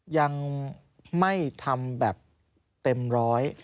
ยังไม่ทำแบบเต็มร้อย